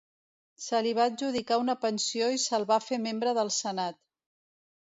Se li va adjudicar una pensió i se'l va fer membre del Senat.